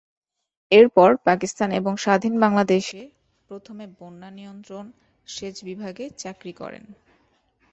এর পর পাকিস্তান এবং স্বাধীন বাংলাদেশে প্রথমে বন্যা নিয়ন্ত্রণ, সেচ বিভাগে চাকুরী করেন।